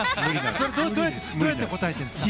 どうやって答えるんですか？